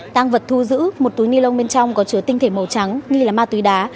tăng vật thu giữ một túi ni lông bên trong có chứa tinh thể màu trắng nghi là ma túy đá